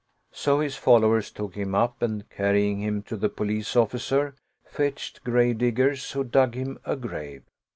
So his followers took him up and carrying him to the Police officer, fetched grave diggers, who dug him a grave.